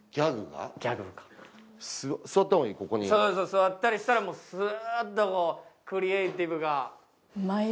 座ったりしたら、スーッとクリエーティブが。